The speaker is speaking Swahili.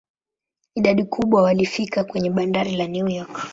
Idadi kubwa walifika kwenye bandari la New York.